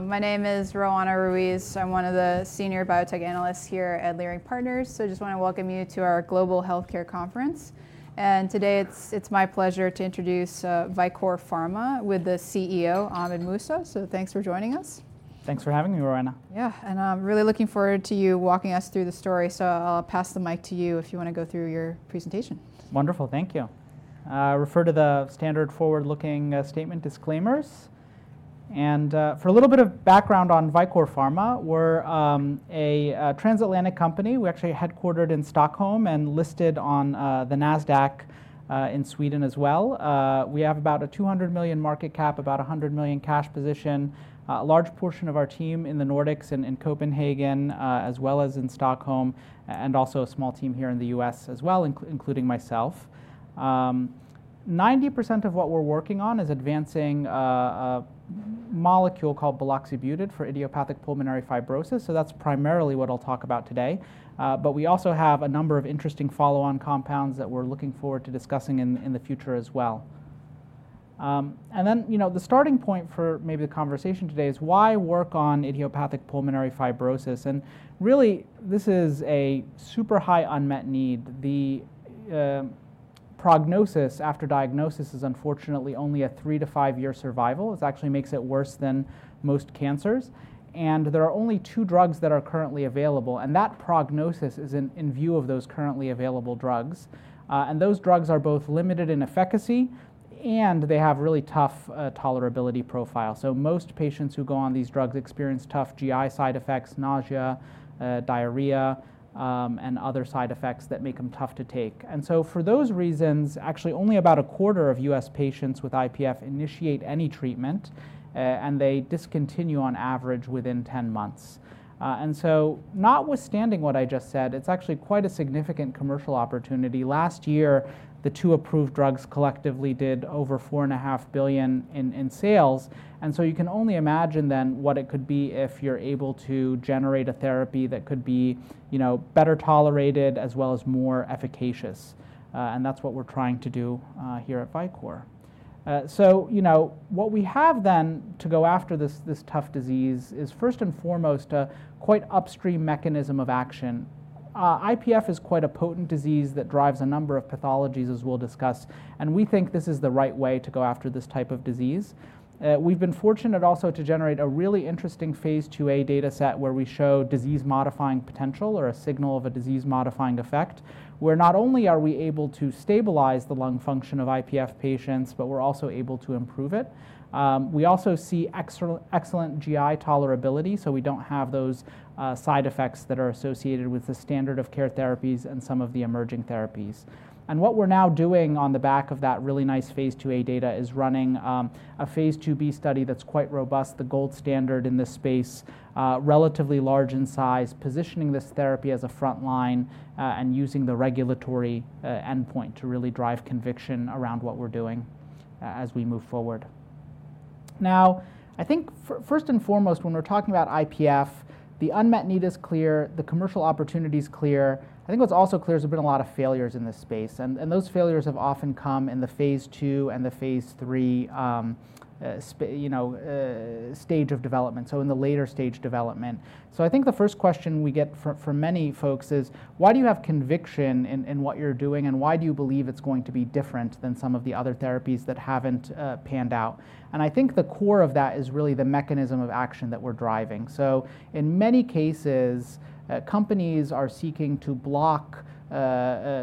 My name is Roanna Ruiz. I'm one of the senior biotech analysts here at Leerink Partners. I just want to welcome you to our global healthcare conference. Today it's my pleasure to introduce Vicore Pharma with the CEO, Ahmed Mousa. Thanks for joining us. Thanks for having me, Roanna. Yeah, I'm really looking forward to you walking us through the story. I’ll pass the mic to you if you want to go through your presentation. Wonderful, thank you. Refer to the standard forward-looking statement disclaimers. For a little bit of background on Vicore Pharma, we're a transatlantic company. We're actually headquartered in Stockholm and listed on the Nasdaq in Sweden as well. We have about a $200 million market cap, about a $100 million cash position, a large portion of our team in the Nordics and in Copenhagen, as well as in Stockholm, and also a small team here in the US as well, including myself. 90% of what we're working on is advancing a molecule called buloxibutid for idiopathic pulmonary fibrosis. That's primarily what I'll talk about today. We also have a number of interesting follow-on compounds that we're looking forward to discussing in the future as well. The starting point for maybe the conversation today is why work on idiopathic pulmonary fibrosis? Really, this is a super high unmet need. The prognosis after diagnosis is unfortunately only a three- to five-year survival. It actually makes it worse than most cancers. There are only two drugs that are currently available. That prognosis is in view of those currently available drugs. Those drugs are both limited in efficacy, and they have really tough tolerability profiles. Most patients who go on these drugs experience tough GI side effects, nausea, diarrhea, and other side effects that make them tough to take. For those reasons, actually only about a quarter of US patients with IPF initiate any treatment, and they discontinue on average within 10 months. Notwithstanding what I just said, it's actually quite a significant commercial opportunity. Last year, the two approved drugs collectively did over $4.5 billion in sales. You can only imagine then what it could be if you're able to generate a therapy that could be better tolerated as well as more efficacious. That is what we're trying to do here at Vicore. What we have then to go after this tough disease is, first and foremost, a quite upstream mechanism of action. IPF is quite a potent disease that drives a number of pathologies, as we'll discuss. We think this is the right way to go after this type of disease. We've been fortunate also to generate a really interesting phase IIA data set where we show disease-modifying potential or a signal of a disease-modifying effect, where not only are we able to stabilize the lung function of IPF patients, but we're also able to improve it. We also see excellent GI tolerability, so we don't have those side effects that are associated with the standard of care therapies and some of the emerging therapies. What we're now doing on the back of that really nice phase IIA data is running a phase IIB study that's quite robust, the gold standard in this space, relatively large in size, positioning this therapy as a front line and using the regulatory endpoint to really drive conviction around what we're doing as we move forward. Now, I think first and foremost, when we're talking about IPF, the unmet need is clear, the commercial opportunity is clear. I think what's also clear is there have been a lot of failures in this space. Those failures have often come in the phase II and the phase III stage of development, so in the later stage development. I think the first question we get from many folks is, why do you have conviction in what you're doing, and why do you believe it's going to be different than some of the other therapies that haven't panned out? I think the core of that is really the mechanism of action that we're driving. In many cases, companies are seeking to block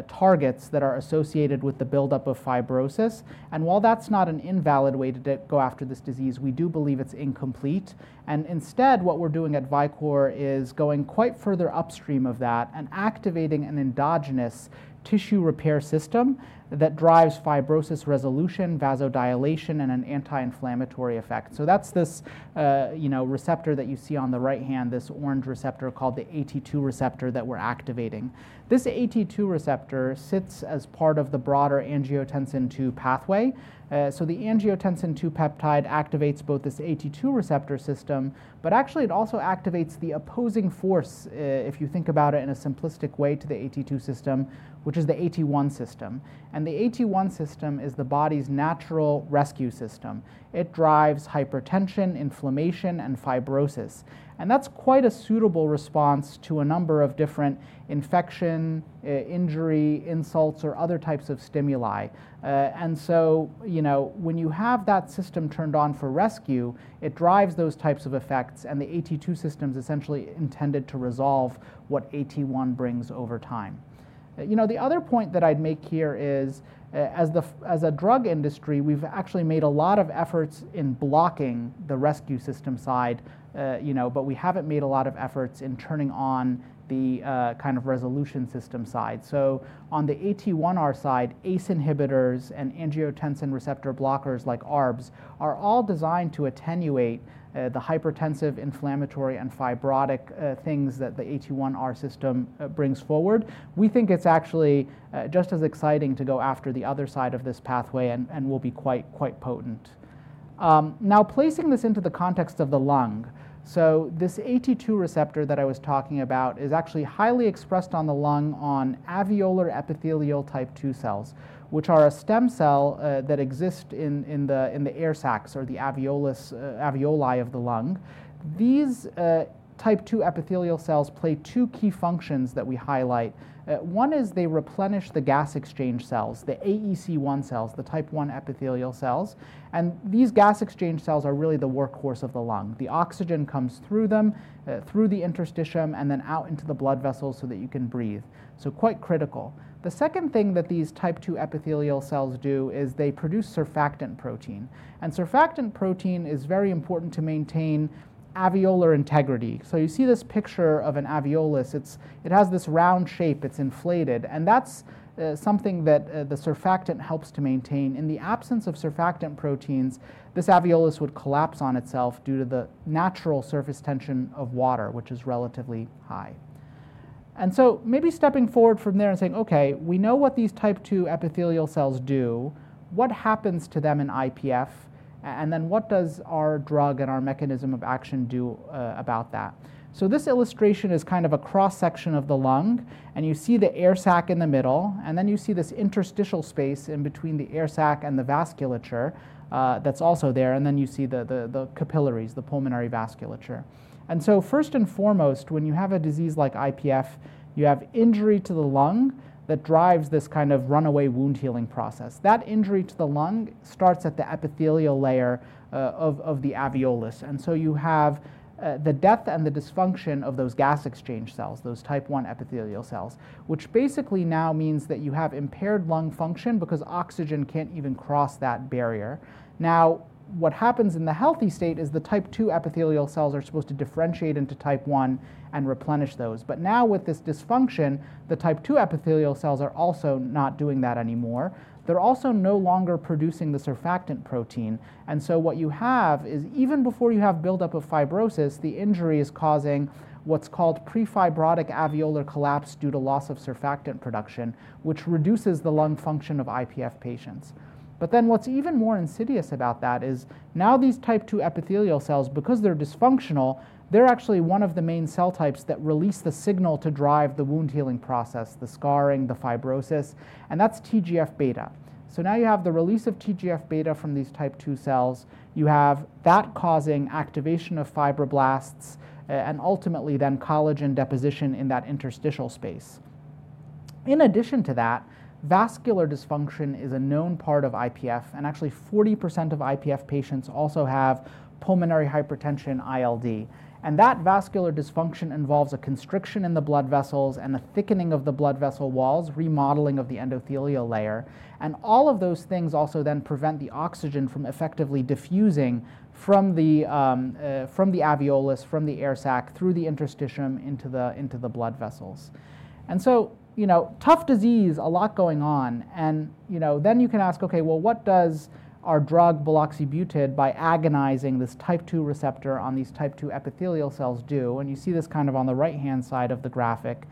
targets that are associated with the buildup of fibrosis. While that's not an invalid way to go after this disease, we do believe it's incomplete. Instead, what we're doing at Vicore is going quite further upstream of that and activating an endogenous tissue repair system that drives fibrosis resolution, vasodilation, and an anti-inflammatory effect. That's this receptor that you see on the right hand, this orange receptor called the AT2 receptor that we're activating. This AT2 receptor sits as part of the broader angiotensin II pathway. The angiotensin II peptide activates both this AT2 receptor system, but actually it also activates the opposing force, if you think about it in a simplistic way, to the AT2 system, which is the AT1 system. The AT1 system is the body's natural rescue system. It drives hypertension, inflammation, and fibrosis. That is quite a suitable response to a number of different infection, injury, insults, or other types of stimuli. When you have that system turned on for rescue, it drives those types of effects. The AT2 system is essentially intended to resolve what AT1 brings over time. The other point that I'd make here is, as a drug industry, we've actually made a lot of efforts in blocking the rescue system side, but we haven't made a lot of efforts in turning on the kind of resolution system side. On the AT1R side, ACE inhibitors and angiotensin receptor blockers like ARBs are all designed to attenuate the hypertensive, inflammatory, and fibrotic things that the AT1R system brings forward. We think it's actually just as exciting to go after the other side of this pathway and will be quite potent. Now, placing this into the context of the lung, this AT2 receptor that I was talking about is actually highly expressed on the lung on alveolar epithelial type II cells, which are a stem cell that exists in the air sacs or the alveoli of the lung. These type II epithelial cells play two key functions that we highlight. One is they replenish the gas exchange cells, the AEC1 cells, the type I epithelial cells. These gas exchange cells are really the workhorse of the lung. The oxygen comes through them, through the interstitium, and then out into the blood vessels so that you can breathe. Quite critical. The second thing that these type II epithelial cells do is they produce surfactant protein. Surfactant protein is very important to maintain alveolar integrity. You see this picture of an alveolus. It has this round shape. It is inflated. That is something that the surfactant helps to maintain. In the absence of surfactant proteins, this alveolus would collapse on itself due to the natural surface tension of water, which is relatively high. Maybe stepping forward from there and saying, okay, we know what these type II epithelial cells do. What happens to them in IPF? And then what does our drug and our mechanism of action do about that? This illustration is kind of a cross-section of the lung. You see the air sac in the middle. You see this interstitial space in between the air sac and the vasculature that's also there. You see the capillaries, the pulmonary vasculature. First and foremost, when you have a disease like IPF, you have injury to the lung that drives this kind of runaway wound healing process. That injury to the lung starts at the epithelial layer of the alveolus. You have the death and the dysfunction of those gas exchange cells, those type I epithelial cells, which basically now means that you have impaired lung function because oxygen can't even cross that barrier. What happens in the healthy state is the type II epithelial cells are supposed to differentiate into type I and replenish those. Now with this dysfunction, the type II epithelial cells are also not doing that anymore. They're also no longer producing the surfactant protein. What you have is, even before you have buildup of fibrosis, the injury is causing what's called prefibrotic alveolar collapse due to loss of surfactant production, which reduces the lung function of IPF patients. What's even more insidious about that is now these type II epithelial cells, because they're dysfunctional, they're actually one of the main cell types that release the signal to drive the wound healing process, the scarring, the fibrosis. That's TGF beta. Now you have the release of TGF beta from these type II cells. You have that causing activation of fibroblasts and ultimately then collagen deposition in that interstitial space. In addition to that, vascular dysfunction is a known part of IPF. Actually, 40% of IPF patients also have pulmonary hypertension, ILD. That vascular dysfunction involves a constriction in the blood vessels and a thickening of the blood vessel walls, remodeling of the endothelial layer. All of those things also then prevent the oxygen from effectively diffusing from the alveolus, from the air sac, through the interstitium into the blood vessels. Tough disease, a lot going on. You can ask, okay, what does our drug buloxibutid by agonizing this type II receptor on these type II epithelial cells do? You see this kind of on the right-hand side of the graphic.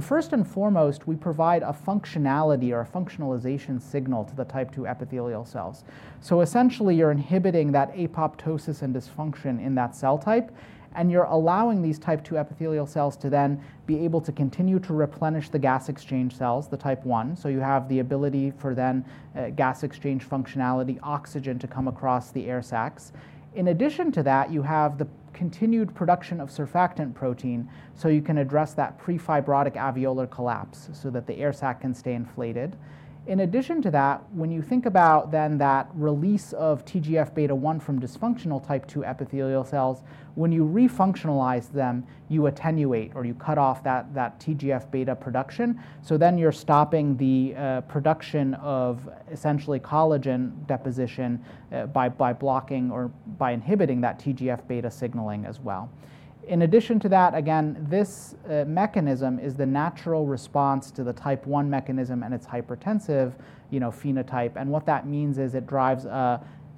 First and foremost, we provide a functionality or a functionalization signal to the type II epithelial cells. Essentially, you're inhibiting that apoptosis and dysfunction in that cell type. You're allowing these type II epithelial cells to then be able to continue to replenish the gas exchange cells, the type I. You have the ability for then gas exchange functionality, oxygen to come across the air sacs. In addition to that, you have the continued production of surfactant protein. You can address that prefibrotic alveolar collapse so that the air sac can stay inflated. In addition to that, when you think about then that release of TGF-beta 1 from dysfunctional type II epithelial cells, when you refunctionalize them, you attenuate or you cut off that TGF beta production. You are stopping the production of essentially collagen deposition by blocking or by inhibiting that TGF beta signaling as well. In addition to that, again, this mechanism is the natural response to the type I mechanism and its hypertensive phenotype. What that means is it drives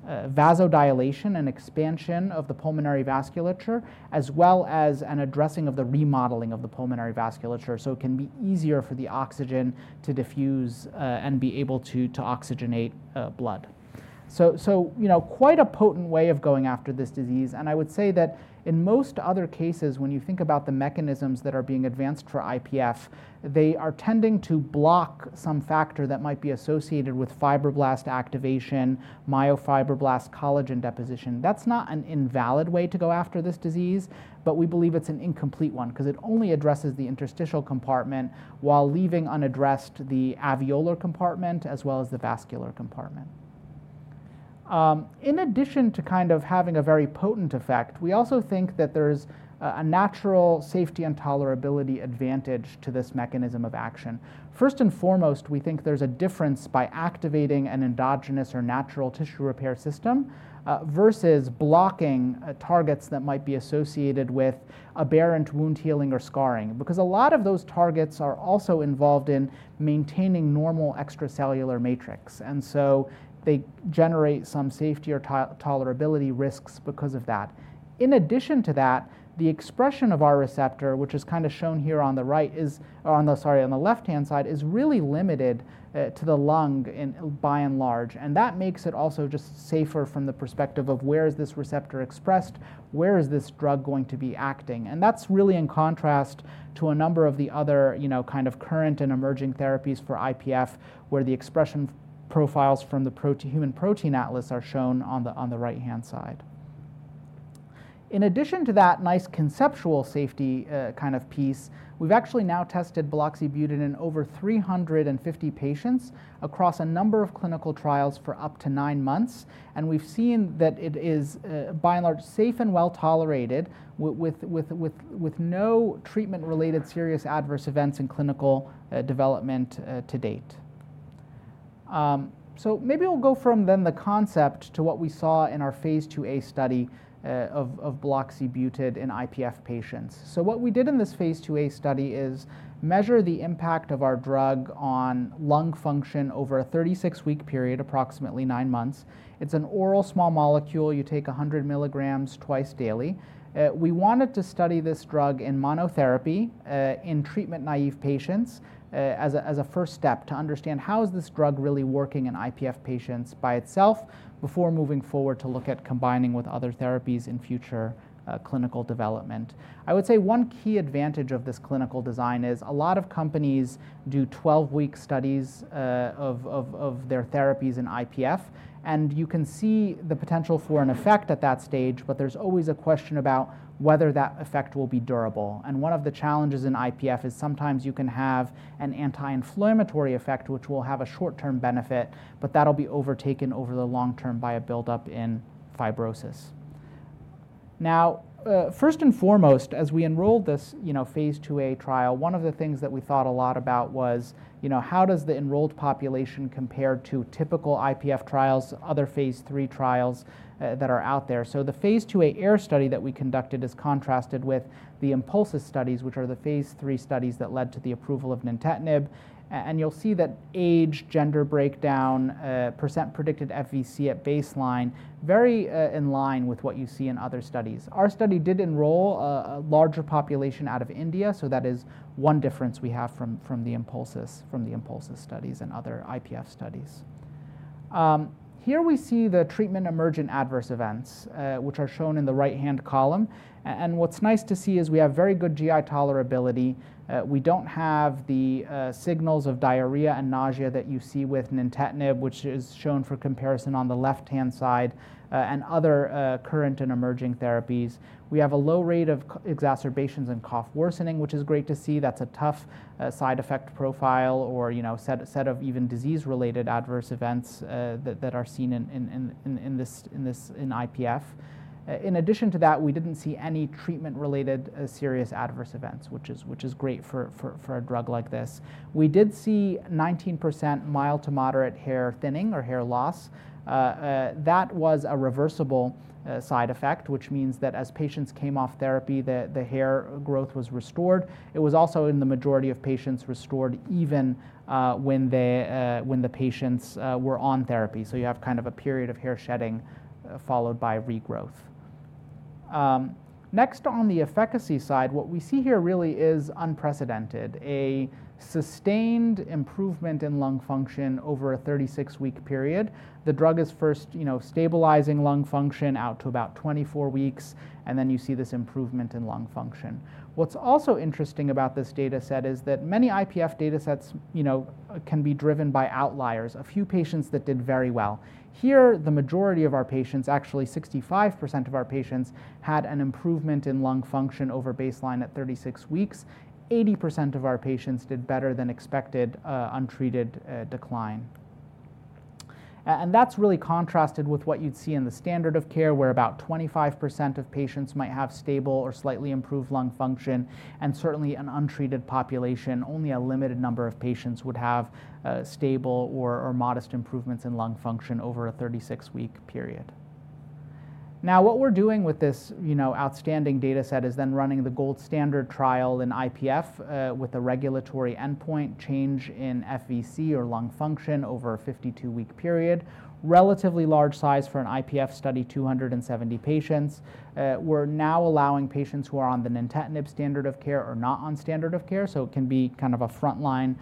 vasodilation and expansion of the pulmonary vasculature, as well as an addressing of the remodeling of the pulmonary vasculature so it can be easier for the oxygen to diffuse and be able to oxygenate blood; quite a potent way of going after this disease. I would say that in most other cases, when you think about the mechanisms that are being advanced for IPF, they are tending to block some factor that might be associated with fibroblast activation, myofibroblast collagen deposition. That's not an invalid way to go after this disease, but we believe it's an incomplete one because it only addresses the interstitial compartment while leaving unaddressed the alveolar compartment as well as the vascular compartment. In addition to kind of having a very potent effect, we also think that there is a natural safety and tolerability advantage to this mechanism of action. First and foremost, we think there's a difference by activating an endogenous or natural tissue repair system versus blocking targets that might be associated with aberrant wound healing or scarring, because a lot of those targets are also involved in maintaining normal extracellular matrix. They generate some safety or tolerability risks because of that. In addition to that, the expression of our receptor, which is kind of shown here on the right, sorry, on the left-hand side, is really limited to the lung by and large. That makes it also just safer from the perspective of where is this receptor expressed. Where is this drug going to be acting? That is really in contrast to a number of the other kind of current and emerging therapies for IPF, where the expression profiles from the Human Protein Atlas are shown on the right-hand side. In addition to that nice conceptual safety kind of piece, we've actually now tested buloxibutid in over 350 patients across a number of clinical trials for up to nine months. We have seen that it is by and large safe and well tolerated with no treatment-related serious adverse events in clinical development to date. Moving from the concept to what we saw in our phase IIA study of buloxibutid in IPF patients, what we did in this phase IIA study is measure the impact of our drug on lung function over a 36-week period, approximately nine months. It is an oral small molecule. You take 100 milligrams twice daily. We wanted to study this drug in monotherapy in treatment-naive patients as a first step to understand how is this drug really working in IPF patients by itself before moving forward to look at combining with other therapies in future clinical development. I would say one key advantage of this clinical design is a lot of companies do 12-week studies of their therapies in IPF. You can see the potential for an effect at that stage, but there's always a question about whether that effect will be durable. One of the challenges in IPF is sometimes you can have an anti-inflammatory effect, which will have a short-term benefit, but that'll be overtaken over the long term by a buildup in fibrosis. First and foremost, as we enrolled this phase IIA trial, one of the things that we thought a lot about was how does the enrolled population compare to typical IPF trials, other phase III trials that are out there? The phase IIA AIR study that we conducted is contrasted with the IMPULSIS studies, which are the phase III studies that led to the approval of nintedanib. You'll see that age, gender breakdown, percent predicted FVC at baseline are very in line with what you see in other studies. Our study did enroll a larger population out of India. That is one difference we have from the IMPULSIS studies and other IPF studies. Here we see the treatment emergent adverse events, which are shown in the right-hand column. What's nice to see is we have very good GI tolerability. We don't have the signals of diarrhea and nausea that you see with nintedanib, which is shown for comparison on the left-hand side and other current and emerging therapies. We have a low rate of exacerbations and cough worsening, which is great to see. That's a tough side effect profile or set of even disease-related adverse events that are seen in IPF. In addition to that, we didn't see any treatment-related serious adverse events, which is great for a drug like this. We did see 19% mild to moderate hair thinning or hair loss. That was a reversible side effect, which means that as patients came off therapy, the hair growth was restored. It was also in the majority of patients restored even when the patients were on therapy. You have kind of a period of hair shedding followed by regrowth. Next, on the efficacy side, what we see here really is unprecedented: a sustained improvement in lung function over a 36-week period. The drug is first stabilizing lung function out to about 24 weeks. You see this improvement in lung function. What's also interesting about this data set is that many IPF data sets can be driven by outliers, a few patients that did very well. Here, the majority of our patients, actually 65% of our patients, had an improvement in lung function over baseline at 36 weeks. 80% of our patients did better than expected untreated decline. That's really contrasted with what you'd see in the standard of care, where about 25% of patients might have stable or slightly improved lung function. Certainly, an untreated population, only a limited number of patients would have stable or modest improvements in lung function over a 36-week period. Now, what we're doing with this outstanding data set is then running the gold standard trial in IPF with a regulatory endpoint change in FVC or lung function over a 52-week period. Relatively large size for an IPF study, 270 patients. We're now allowing patients who are on the nintedanib standard of care or not on standard of care. It can be kind of a frontline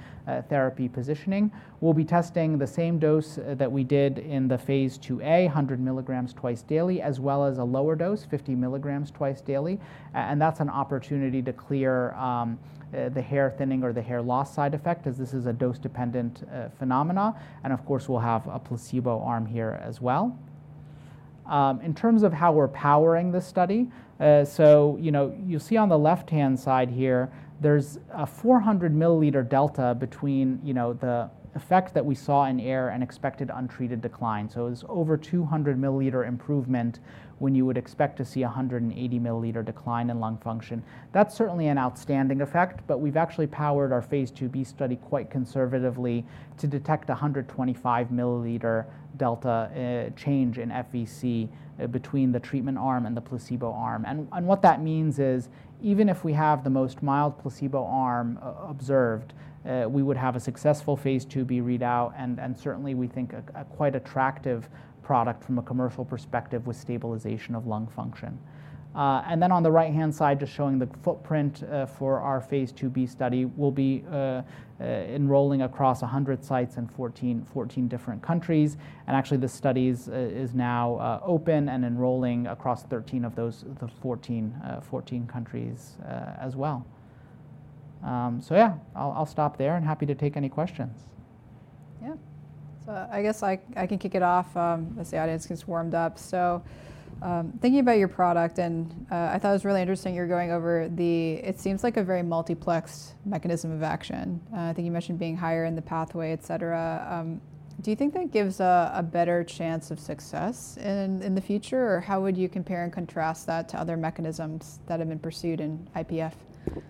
therapy positioning. We'll be testing the same dose that we did in the phase IIA, 100 milligrams twice daily, as well as a lower dose, 50 milligrams twice daily. That is an opportunity to clear the hair thinning or the hair loss side effect, as this is a dose-dependent phenomenon. Of course, we'll have a placebo arm here as well. In terms of how we're powering this study, you'll see on the left-hand side here, there is a 400 milliliter delta between the effect that we saw in AIR and expected untreated decline. It was over 200 milliliter improvement when you would expect to see 180 milliliter decline in lung function. That is certainly an outstanding effect. We have actually powered our phase IIB study quite conservatively to detect 125 milliliter delta change in FVC between the treatment arm and the placebo arm. What that means is even if we have the most mild placebo arm observed, we would have a successful phase IIB readout. We think a quite attractive product from a commercial perspective with stabilization of lung function. On the right-hand side, just showing the footprint for our phase IIB study, we'll be enrolling across 100 sites in 14 different countries. Actually, this study is now open and enrolling across 13 of those 14 countries as well. I'll stop there and happy to take any questions. Yeah. I guess I can kick it off as the audience gets warmed up. Thinking about your product, and I thought it was really interesting you're going over the, it seems like a very multiplexed mechanism of action. I think you mentioned being higher in the pathway, et cetera. Do you think that gives a better chance of success in the future? How would you compare and contrast that to other mechanisms that have been pursued in IPF?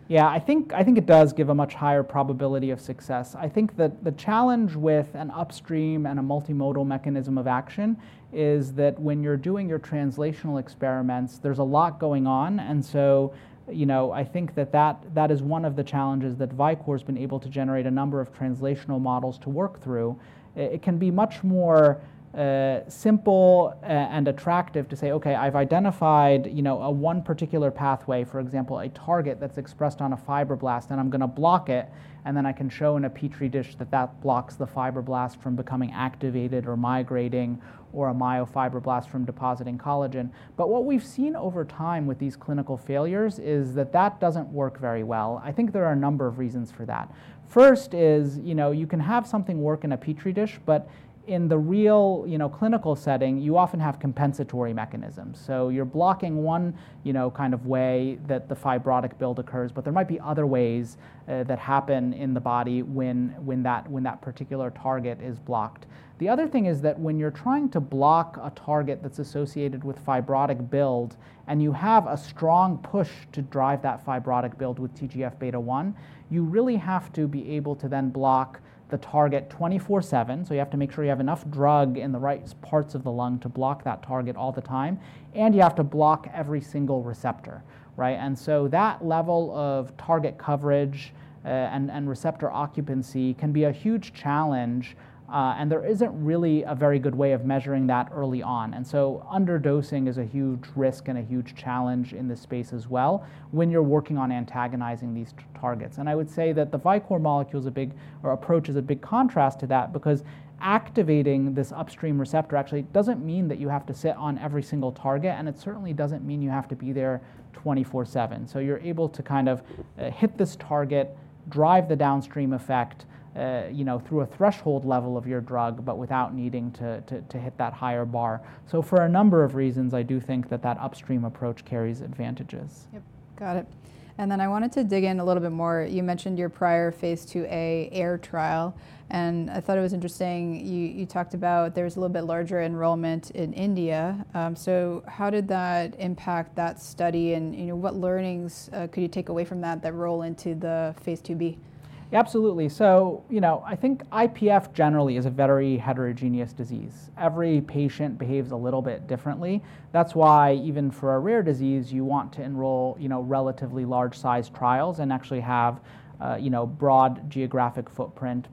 Yeah, I think it does give a much higher probability of success. I think that the challenge with an upstream and a multimodal mechanism of action is that when you're doing your translational experiments, there's a lot going on. I think that that is one of the challenges that Vicore has been able to generate a number of translational models to work through. It can be much more simple and attractive to say, okay, I've identified one particular pathway, for example, a target that's expressed on a fibroblast, and I'm going to block it. Then I can show in a Petri dish that that blocks the fibroblast from becoming activated or migrating or a myofibroblast from depositing collagen. What we've seen over time with these clinical failures is that that doesn't work very well. I think there are a number of reasons for that. First is you can have something work in a Petri dish, but in the real clinical setting, you often have compensatory mechanisms. You are blocking one kind of way that the fibrotic build occurs, but there might be other ways that happen in the body when that particular target is blocked. The other thing is that when you are trying to block a target that is associated with fibrotic build and you have a strong push to drive that fibrotic build with TGF beta, you really have to be able to then block the target 24/7. You have to make sure you have enough drug in the right parts of the lung to block that target all the time. You have to block every single receptor. That level of target coverage and receptor occupancy can be a huge challenge. There isn't really a very good way of measuring that early on. Underdosing is a huge risk and a huge challenge in this space as well when you're working on antagonizing these targets. I would say that the Vicore molecule's approach is a big contrast to that because activating this upstream receptor actually doesn't mean that you have to sit on every single target. It certainly doesn't mean you have to be there 24/7. You're able to kind of hit this target, drive the downstream effect through a threshold level of your drug, but without needing to hit that higher bar. For a number of reasons, I do think that that upstream approach carries advantages. Yep, got it. I wanted to dig in a little bit more. You mentioned your prior phase IIA AIR trial. I thought it was interesting. You talked about there's a little bit larger enrollment in India. How did that impact that study? What learnings could you take away from that that roll into the phase IIB? Absolutely. I think IPF generally is a very heterogeneous disease. Every patient behaves a little bit differently. That's why even for a rare disease, you want to enroll relatively large-sized trials and actually have a broad geographic footprint.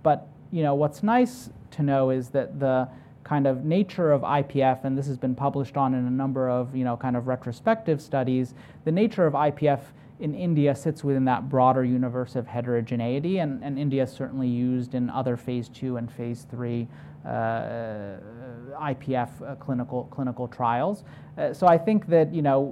What's nice to know is that the kind of nature of IPF, and this has been published on in a number of kind of retrospective studies, the nature of IPF in India sits within that broader universe of heterogeneity. India is certainly used in other phase II and phase III IPF clinical trials. I think that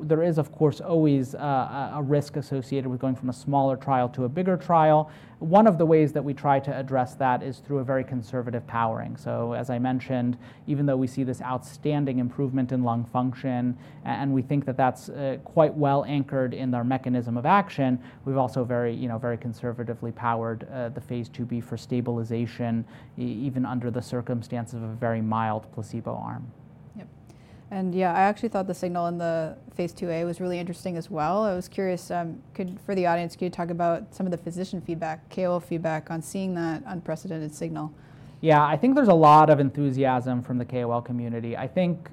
there is, of course, always a risk associated with going from a smaller trial to a bigger trial. One of the ways that we try to address that is through a very conservative powering. As I mentioned, even though we see this outstanding improvement in lung function, and we think that that's quite well anchored in our mechanism of action, we've also very conservatively powered the phase IIB for stabilization, even under the circumstances of a very mild placebo arm. Yep. Yeah, I actually thought the signal in the phase IIA was really interesting as well. I was curious, for the audience, could you talk about some of the physician feedback, KOL feedback, on seeing that unprecedented signal? Yeah, I think there's a lot of enthusiasm from the KOL community. I think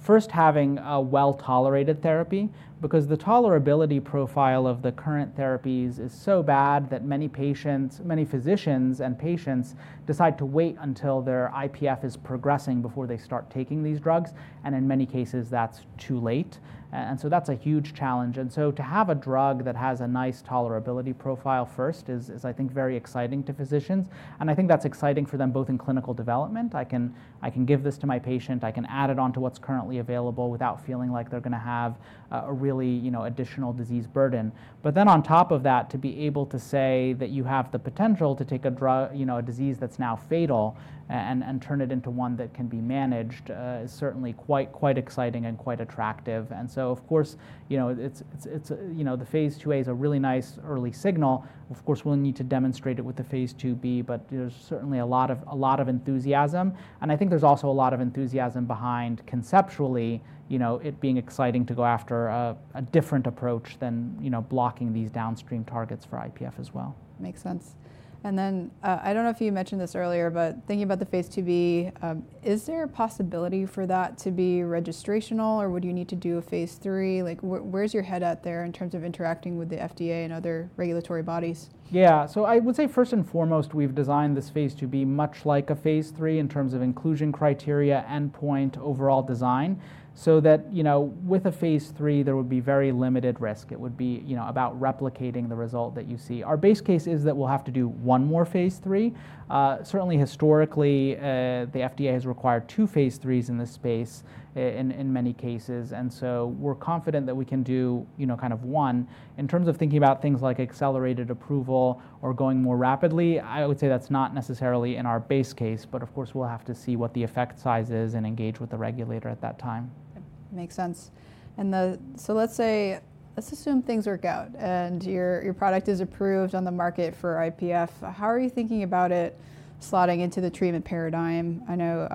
first having a well-tolerated therapy because the tolerability profile of the current therapies is so bad that many physicians and patients decide to wait until their IPF is progressing before they start taking these drugs. In many cases, that's too late. That's a huge challenge. To have a drug that has a nice tolerability profile first is, I think, very exciting to physicians. I think that's exciting for them both in clinical development. I can give this to my patient. I can add it onto what's currently available without feeling like they're going to have a really additional disease burden. Then on top of that, to be able to say that you have the potential to take a disease that's now fatal and turn it into one that can be managed is certainly quite exciting and quite attractive. Of course, the phase IIA is a really nice early signal. Of course, we'll need to demonstrate it with the phase IIB, but there's certainly a lot of enthusiasm. I think there's also a lot of enthusiasm behind conceptually it being exciting to go after a different approach than blocking these downstream targets for IPF as well. Makes sense. I do not know if you mentioned this earlier, but thinking about the phase IIB, is there a possibility for that to be registrational? Or would you need to do a phase III? Where is your head at there in terms of interacting with the FDA and other regulatory bodies? Yeah, so I would say first and foremost, we've designed this phase IIB much like a phase III in terms of inclusion criteria and point overall design so that with a phase III, there would be very limited risk. It would be about replicating the result that you see. Our base case is that we'll have to do one more phase III. Certainly, historically, the FDA has required two phase IIIs in this space in many cases. We're confident that we can do kind of one. In terms of thinking about things like accelerated approval or going more rapidly, I would say that's not necessarily in our base case. Of course, we'll have to see what the effect size is and engage with the regulator at that time. Makes sense. Let's assume things work out and your product is approved on the market for IPF. How are you thinking about it slotting into the treatment paradigm? I know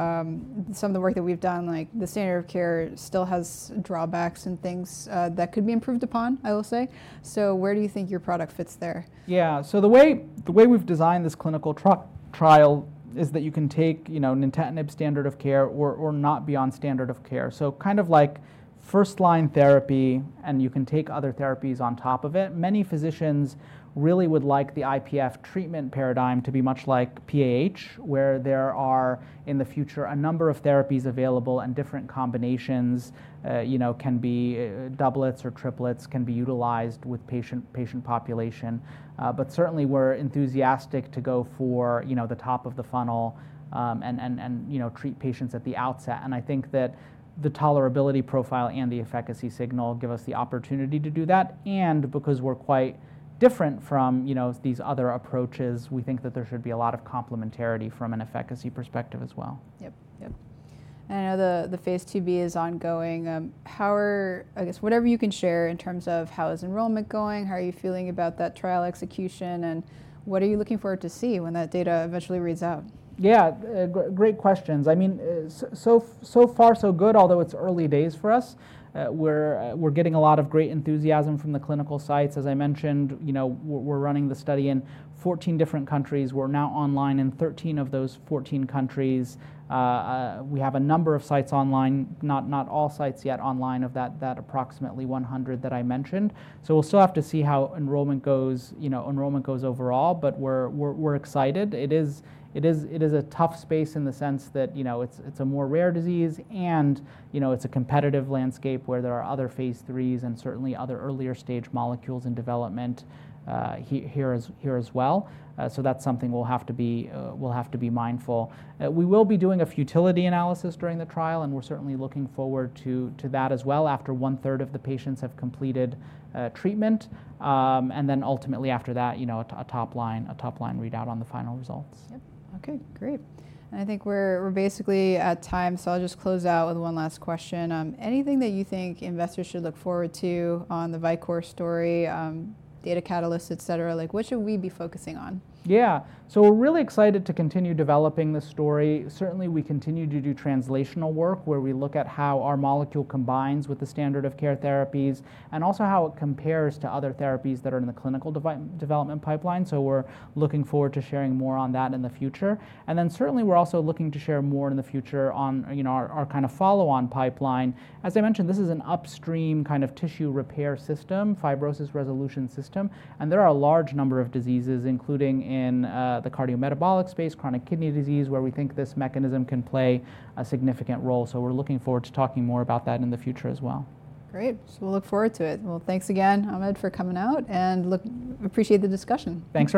some of the work that we've done, like the standard of care, still has drawbacks and things that could be improved upon, I will say. Where do you think your product fits there? Yeah, the way we've designed this clinical trial is that you can take nintedanib standard of care or not be on standard of care. Kind of like first-line therapy, and you can take other therapies on top of it. Many physicians really would like the IPF treatment paradigm to be much like PAH, where there are, in the future, a number of therapies available and different combinations can be doublets or triplets that can be utilized with the patient population. Certainly, we're enthusiastic to go for the top of the funnel and treat patients at the outset. I think that the tolerability profile and the efficacy signal give us the opportunity to do that. Because we're quite different from these other approaches, we think that there should be a lot of complementarity from an efficacy perspective as well. Yep, yep. I know the phase IIB is ongoing. How are, I guess, whatever you can share in terms of how is enrollment going, how are you feeling about that trial execution, and what are you looking forward to see when that data eventually reads out? Yeah, great questions. I mean, so far, so good, although it's early days for us. We're getting a lot of great enthusiasm from the clinical sites. As I mentioned, we're running the study in 14 different countries. We're now online in 13 of those 14 countries. We have a number of sites online, not all sites yet online of that approximately 100 that I mentioned. We will still have to see how enrollment goes overall. We are excited. It is a tough space in the sense that it's a more rare disease. It's a competitive landscape where there are other phase IIIs and certainly other earlier stage molecules in development here as well. That's something we'll have to be mindful. We will be doing a futility analysis during the trial. We're certainly looking forward to that as well after one-third of the patients have completed treatment. Ultimately after that, a top-line readout on the final results. okay, great. I think we're basically at time. I'll just close out with one last question. Anything that you think investors should look forward to on the Vicore story, data catalysts, et cetera, what should we be focusing on? Yeah, we are really excited to continue developing this story. Certainly, we continue to do translational work where we look at how our molecule combines with the standard of care therapies and also how it compares to other therapies that are in the clinical development pipeline. We are looking forward to sharing more on that in the future. Certainly, we are also looking to share more in the future on our kind of follow-on pipeline. As I mentioned, this is an upstream kind of tissue repair system, fibrosis resolution system. There are a large number of diseases, including in the cardiometabolic space, chronic kidney disease, where we think this mechanism can play a significant role. We are looking forward to talking more about that in the future as well. Great. We will look forward to it. Thanks again, Ahmed, for coming out. I appreciate the discussion. Thanks very much.